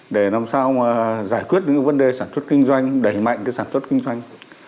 để làm sao mà giải quyết những vấn đề sản xuất kinh doanh đẩy mạnh cái sản xuất kinh doanh